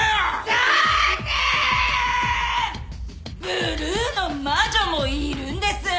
ブルーの魔女もいるんです！